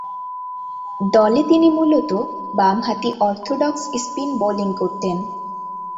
দলে তিনি মূলতঃ বামহাতি অর্থোডক্স স্পিন বোলিং করতেন।